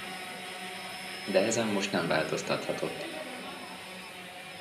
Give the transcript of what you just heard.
De ezen most nem változtathatott.